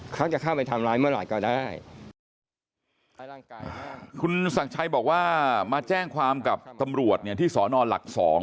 เขาจะเข้าไปทำร้ายเมื่อไหร่ก็ได้คุณศักดิ์ชัยบอกว่ามาแจ้งความกับตำรวจเนี่ยที่สอนอนหลักสอง